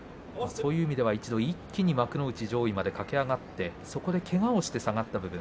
そういう意味では一気に幕内上位まで駆け上がってそこで、けがをして下がってくる。